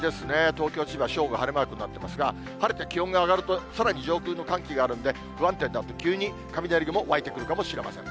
東京、千葉、正午、晴れマークになってますが、晴れて気温が上がると、さらに上空の寒気があるんで、不安定になって、急に雷雲、湧いてくるかもしれません。